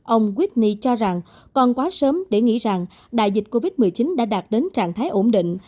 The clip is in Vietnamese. ông witny cho rằng còn quá sớm để nghĩ rằng đại dịch covid một mươi chín đã đạt đến trạng thái ổn định